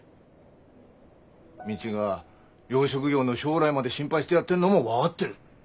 未知が養殖業の将来まで心配してやってんのも分がってる。